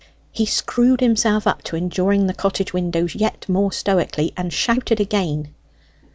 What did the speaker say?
He screwed himself up to enduring the cottage windows yet more stoically, and shouted again.